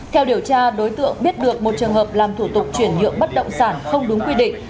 theo điều tra đối tượng biết được một trường hợp làm thủ tục chuyển nhượng bất động sản không đúng quy định